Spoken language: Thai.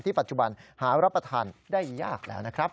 ปัจจุบันหารับประทานได้ยากแล้วนะครับ